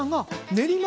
練馬